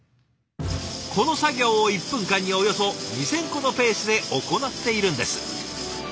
この作業を１分間におよそ２，０００個のペースで行っているんです。